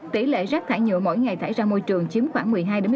tỷ lệ rác thải nhựa mỗi ngày thải ra môi trường chiếm khoảng một mươi hai một mươi